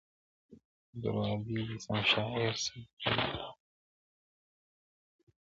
درواري دي سم شاعر سه قلم واخله-